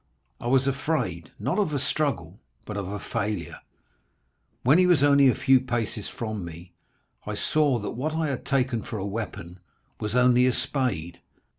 I was afraid, not of a struggle, but of a failure. When he was only a few paces from me, I saw that what I had taken for a weapon was only a spade.